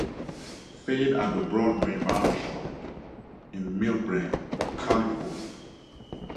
Fade at the Broadway Barbershop in Millbrae, California.